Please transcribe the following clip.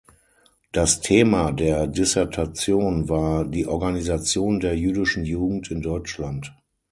Das Thema der Dissertation war "Die Organisation der jüdischen Jugend in Deutschland.